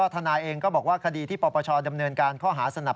ทนายเองก็บอกว่าคดีที่ปปชดำเนินการข้อหาสนับ